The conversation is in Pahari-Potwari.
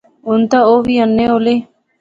ہُن تے اوہ وی انے ہولے